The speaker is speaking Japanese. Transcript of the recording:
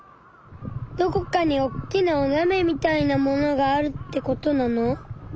どこかにおっきなおなべみたいなものがあるってことなの？